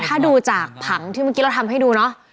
ถ้าดูจากผังที่เมื่อกี้เราทำให้ดูเนาะ